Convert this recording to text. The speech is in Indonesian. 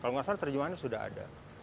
kalau tidak salah terjemahan sudah ada